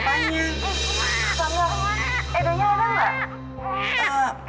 tante edonya apa enggak